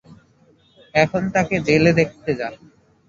এখন তাকে জেলে দেখতে যা।